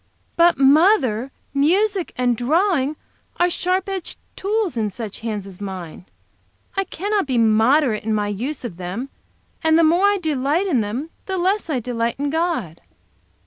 "But, mother, music and drawing are sharp edged tools in such hands as mine. I cannot be moderate in my use of them. And the more I delight in them, the less I delight in God."